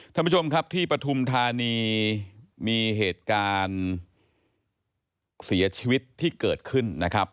ท่านผู้ชมครับที่ปฐุมธานีมีเหตุการณ์เสียชีวิตที่เกิดขึ้นนะครับ